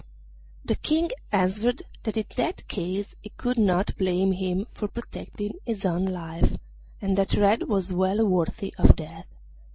The King answered that in that case he could not blame him for protecting his own life, and that Red was well worthy of death.